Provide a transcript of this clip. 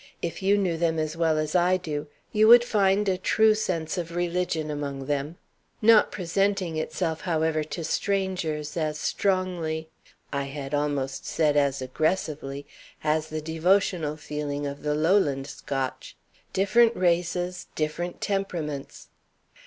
"If you knew them as well as I do, you would find a true sense of religion among them; not presenting itself, however, to strangers as strongly I had almost said as aggressively as the devotional feeling of the Lowland Scotch. Different races, different temperaments."